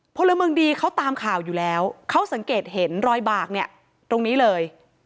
พลเมืองดีเขาตามข่าวอยู่แล้วเขาสังเกตเห็นรอยบากเนี่ยตรงนี้เลย